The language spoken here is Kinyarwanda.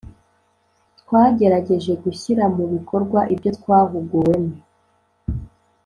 − Twagerageje gushyira mu bikorwa ibyo twahuguwemo